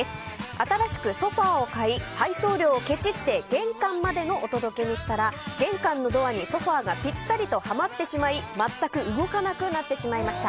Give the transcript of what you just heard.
新しくソファを買い配送料をケチって玄関までのお届けにしたら玄関のドアにソファがぴったりとはまってしまし全く動かなくなってしまいました。